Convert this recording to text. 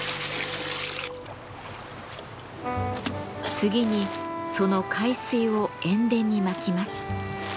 次にその海水を塩田にまきます。